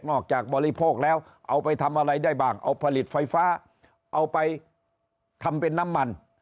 จากบริโภคแล้วเอาไปทำอะไรได้บ้างเอาผลิตไฟฟ้าเอาไปทำเป็นน้ำมัน